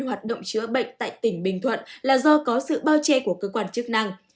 hoạt động chữa bệnh tại tỉnh bình thuận là do có sự bao che của cơ quan chức năng